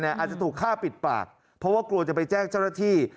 อาจจะถูกฆ่าปิดปากเพราะว่ากลัวจะไปแจ้งเจ้าหน้าที่